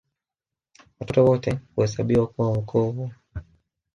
Watoto wote huhesabiwa kuwa wa ukoo huo